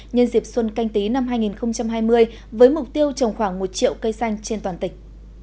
nhân dịp xuân canh tí năm hai nghìn hai mươi với mục tiêu trồng khoảng một triệu cây xanh trên toàn tỉnh